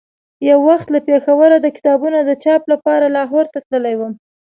یو وخت له پېښوره د کتابونو د چاپ لپاره لاهور ته تللی وم.